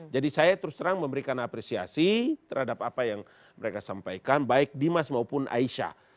jadi saya terus terang memberikan apresiasi terhadap apa yang mereka sampaikan baik dimas maupun aisyah